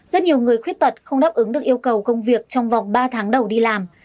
rất nhiều người khuyết tật không đáp ứng được yêu cầu công việc trong vòng ba tháng đầu đi làm